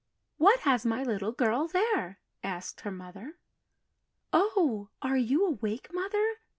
"] "What has my little girl there?" asked her mother. "Oh, are you awake, Mother?